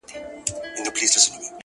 چې له سلګونه متره لرې ده